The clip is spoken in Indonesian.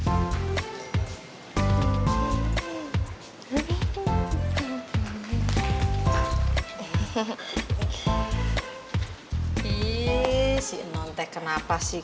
eh si inon teh kenapa sih